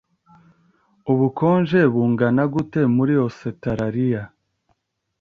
Ubukonje bungana gute muri Ositaraliya?